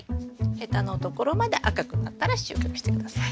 ヘタのところまで赤くなったら収穫して下さい。